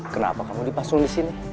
kenapa kamu dipasung di sini